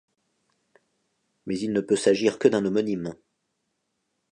Mais il ne peut s'agir que d'un homonyme.